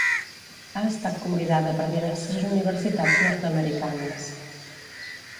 Ha estat convidada per diverses universitats nord-americanes.